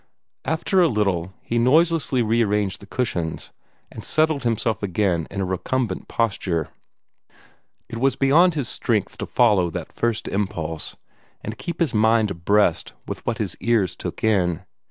After a little, he noiselessly rearranged the cushions, and settled himself again in a recumbent posture. It was beyond his strength to follow that first impulse, and keep his mind abreast with what his ears took in.